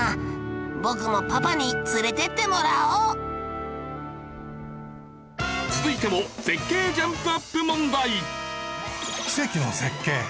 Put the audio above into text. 僕もパパに連れていってもらおう続いても絶景ジャンプアップ問題。